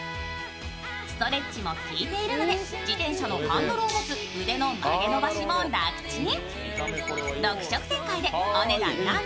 ストレッチもきいているので、自転車のハンドルを持つ腕の曲げ伸ばしも楽ちん。